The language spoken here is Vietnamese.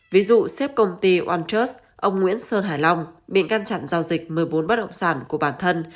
ví dụ xếp công ty orldurs ông nguyễn sơn hải long bị ngăn chặn giao dịch một mươi bốn bất động sản của bản thân